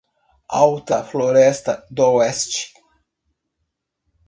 Alta Floresta d'Oeste